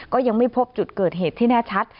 ก็ยังไม่พบจุดเกิดเหตุที่แน่ชัด